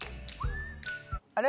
あれ？